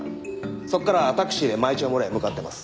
そこからタクシーで舞澄村へ向かってます。